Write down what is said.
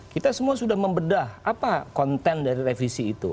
kita semua sudah membedah apa konten dari revisi itu